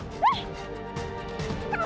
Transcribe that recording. kamu itu nggak usah marah